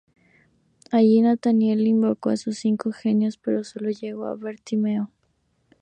Allí, Nathaniel invoca a sus cinco genios, pero sólo llega Bartimeo.